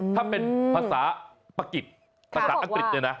ถ้าเป็นภาษาประกิจประกัดอักษริย์นะ